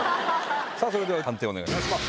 それでは判定お願いします。